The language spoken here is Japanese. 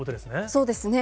そうですね。